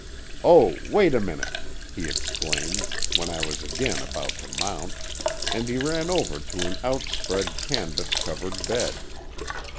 "Oh, wait a minute," he exclaimed, when I was again about to mount, and he ran over to an outspread canvas covered bed.